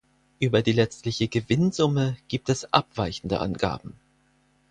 Über die letztliche Gewinnsumme gibt es abweichende Angaben.